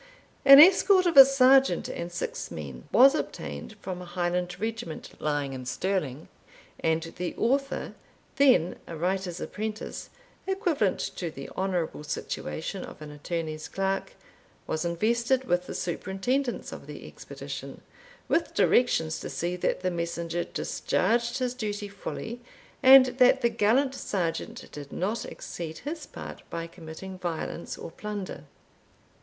An escort of a sergeant and six men was obtained from a Highland regiment lying in Stirling; and the Author, then a writer's apprentice, equivalent to the honourable situation of an attorney's clerk, was invested with the superintendence of the expedition, with directions to see that the messenger discharged his duty fully, and that the gallant sergeant did not exceed his part by committing violence or plunder.